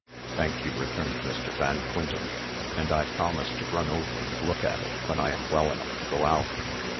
"Thank you," returned Mr. Van Quintem; "and I promise to run over and look at it when I am well enough to go out."